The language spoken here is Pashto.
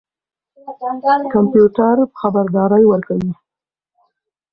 کمپيوټر خبردارى ورکوي.